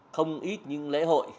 không ít những lễ hội